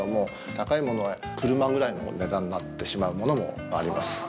高いものは車ぐらいのお値段になってしまうものもあります。